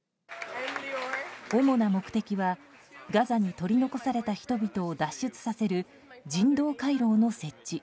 主な目的はガザに取り残された人々を脱出させる人道回廊の設置。